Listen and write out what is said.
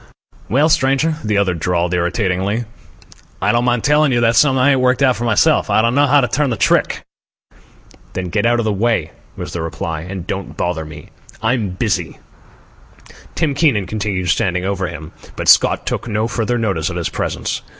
"Well, stranger," the other drawled irritatingly, "I don't mind telling you that's something I ain't worked out for myself. I don't know how to turn the trick." "Then get out of the way," was the reply, "and don't bother me. I'm busy." Tim Keenan continued standing over him, but Scott took no further notice of his presence.